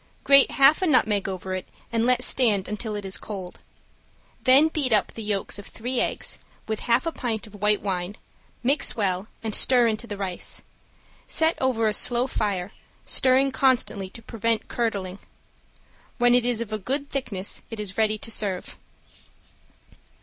Grate half a nutmeg over it and let stand until it is cold. Then beat up the yolks of three eggs, with half a pint of white wine, mix well and stir into the rice. Set over a slow fire, stirring constantly to prevent curdling. When it is of good thickness it is ready to serve.